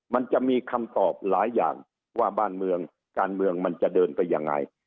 มันจะมีคำตอบหลายอย่างว่าบ้านเมืองการเมืองมันจะเดินไปยังไง